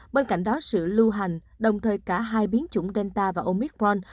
bên cạnh đó sự lưu hành đồng thời cả hai biến chủng delta và omicron